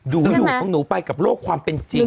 หนูอยู่ของหนูไปกับโลกความเป็นจริง